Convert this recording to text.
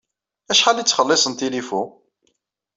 Acḥal i ttxelliṣen tilifu?